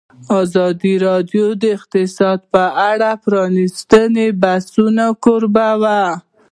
ازادي راډیو د اقتصاد په اړه د پرانیستو بحثونو کوربه وه.